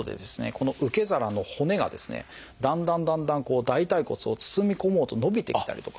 この受け皿の骨がですねだんだんだんだん大腿骨を包み込もうと伸びてきたりとか。